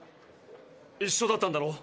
一緒だったんだろ？